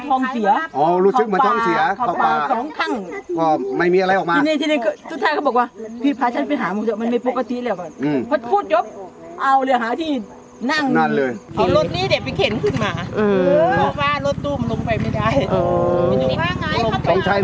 ต้องใช้มุดไขตัวลาดนี่เอาคนของลูกขึ้นมา